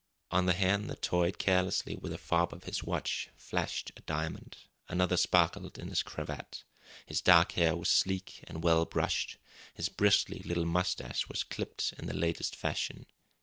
On the hand that toyed carelessly with the fob of his watch flashed a diamond; another sparkled in his cravat. His dark hair was sleek and well brushed; his bristly little moustache was clipped in the latest fashion.